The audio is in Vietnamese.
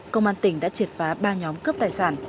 công an tỉnh đã triệt phá ba nhóm cướp tài sản